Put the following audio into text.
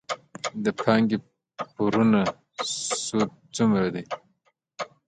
د بانکي پورونو سود څومره دی؟